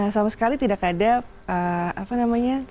sama sekali tidak ada apa namanya